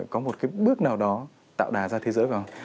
có một cái bước nào đó tạo đà ra thế giới phải không